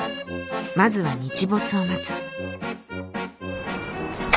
まずは日没を待つ。